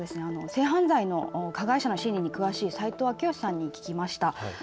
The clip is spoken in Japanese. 性犯罪の加害者の心理に詳しい斉藤章佳さんに聞きました。